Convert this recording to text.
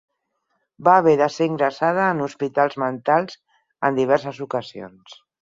Va haver de ser ingressada en hospitals mentals en diverses ocasions.